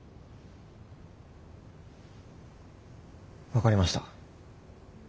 分かりました。